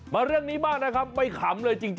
เรื่องนี้บ้างนะครับไม่ขำเลยจริง